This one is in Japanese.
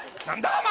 何だ？